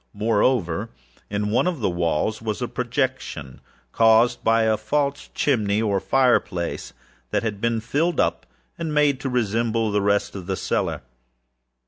Moreover, in one of the walls was a projection, caused by a false chimney, or fireplace, that had been filled up, and made to resemble the red of the cellar.